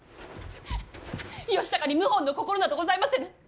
義高に謀反の心などございませぬ。